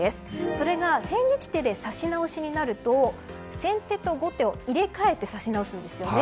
それが千日手で指し直しになると先手と後手を入れ替えて指し直すんですよね。